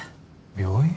病院？